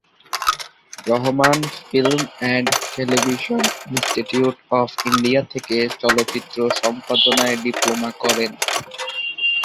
Rahman Film and Television Institute of India থেকে চলচ্চিত্র সম্পাদনায় ডিপ্লোমা করেন।